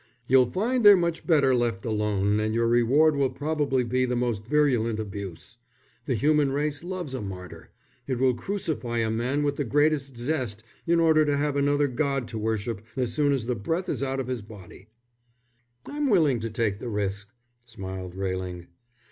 "You'll find they're much better left alone, and your reward will probably be the most virulent abuse. The human race loves a martyr; it will crucify a man with the greatest zest in order to have another God to worship as soon as the breath is out of his body." "I'm willing to take the risk," smiled Railing.